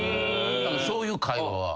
そういう会話は。